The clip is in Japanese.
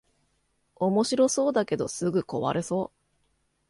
おもしろそうだけどすぐ壊れそう